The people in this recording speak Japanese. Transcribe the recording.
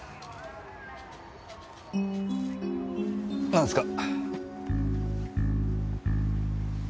何すか？